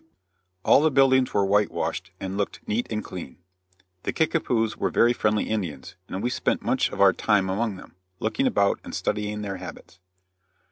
All the buildings were whitewashed, and looked neat and clean. The Kickapoos were very friendly Indians, and we spent much of our time among them, looking about and studying their habits.